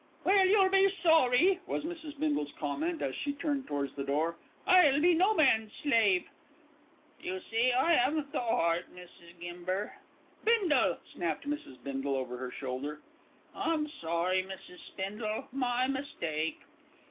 "Well, you'll be sorry," was Mrs. Bindle's comment, as she turned towards the door. "I'll be no man's slave." "You see, I 'aven't the 'eart, Mrs. Gimber." "Bindle!" snapped Mrs. Bindle over her shoulder. "I'm sorry, Mrs. Spindle, my mistake."